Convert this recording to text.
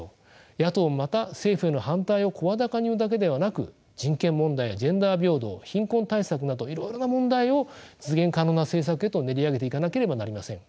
野党もまた政府への反対を声高に言うだけではなく人権問題やジェンダー平等貧困対策などいろいろな問題を実現可能な政策へと練り上げていかなければなりません。